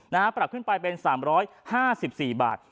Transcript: ปรับขึ้นไปเป็น๓๕๔บาท